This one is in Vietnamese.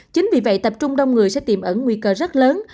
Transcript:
chính vì vậy tập trung đông người sẽ tiềm ẩn nguy cơ rất lớn